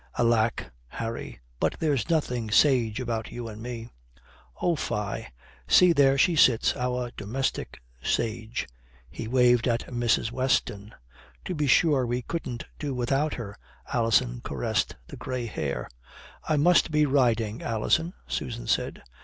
"Alack, Harry, but there's nothing sage about you and me." "Oh, fie! See there she sits, our domestic sage" he waved at Mrs. Weston. "To be sure we couldn't do without her." Alison caressed the grey hair. "I must be riding, Alison," Susan said.